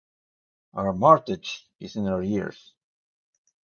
Our mortgage is in arrears.